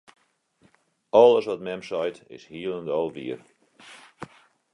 Alles wat mem seit, is hielendal wier.